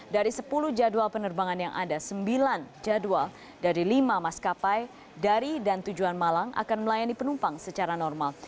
dari sepuluh jadwal penerbangan yang ada sembilan jadwal dari lima maskapai dari dan tujuan malang akan melayani penumpang secara normal